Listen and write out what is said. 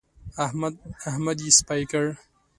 احمد يې سپي کړ.